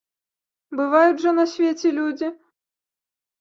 Бываюць жа на свеце людзі!